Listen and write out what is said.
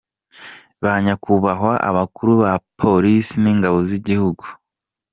Ba Nyakubahwa Abakuru ba Police n’Ingabo z’Igihugu,